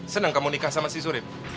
senang kamu nikah sama si surip